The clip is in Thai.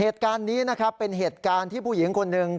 เหตุการณ์นี้นะครับเป็นเหตุการณ์ที่ผู้หญิงคนหนึ่ง